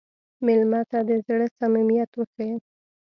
مېلمه ته د زړه صمیمیت وښیه.